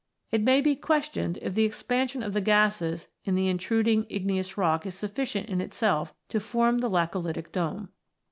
It may be questioned if the expansion of the gases in the intruding igneous rock is sufficient in itself to form the laccolitic dome.